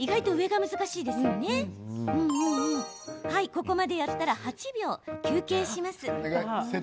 ここまでやったら８秒、休憩します。